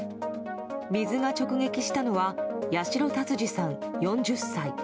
水が直撃したのは八代達司さん、４０歳。